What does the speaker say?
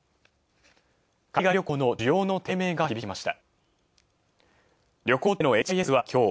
海外旅行の需要の低迷が響きました。